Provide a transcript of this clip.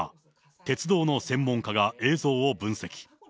鉄道の専門家が映像を分析。